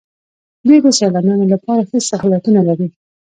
دوی د سیلانیانو لپاره ښه سهولتونه لري.